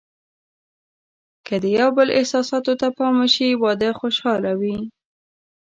که د یو بل احساساتو ته پام وشي، واده خوشحاله وي.